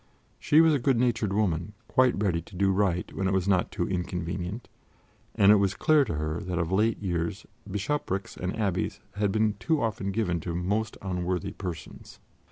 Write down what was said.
She was a good natured woman, quite ready to do right when it was not too inconvenient, and it was clear to her that of late years bishoprics and abbeys had been too often given to most unworthy persons.